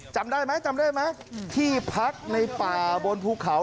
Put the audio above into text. จำได้ไหมที่พักในป่าบนภูเขา